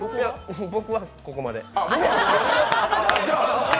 僕がここまで。